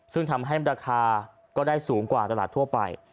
ซึ่งทำให้ราคาก็ได้สูงกว่าตลาดทั่วไป